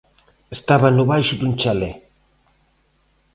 Estaba no baixo dun chalé.